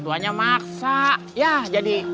tuanya maksa ya jadi